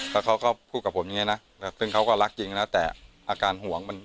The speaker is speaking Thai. แล้วเขาก็พูดกับผมอย่างนี้นะซึ่งเขาก็รักจริงนะแต่อาการห่วงมัน